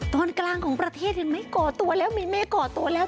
ตอนกลางของประเทศเห็นไหมก่อตัวแล้วมีเมฆก่อตัวแล้ว